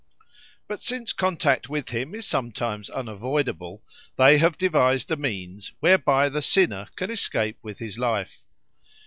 But since contact with him is sometimes unavoidable, they have devised a means whereby the sinner can escape with his life.